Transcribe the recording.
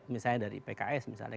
misalnya dari pks misalnya